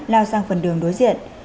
lao sang phần đường đối diện